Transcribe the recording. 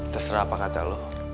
terserah apa kata lo